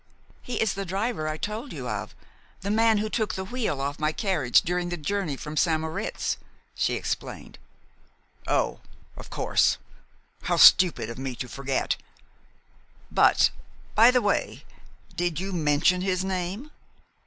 "He is the driver I told you of, the man who took the wheel off my carriage during the journey from St. Moritz," she explained. "Oh, of course. How stupid of me to forget! But, by the way, did you mention his name?"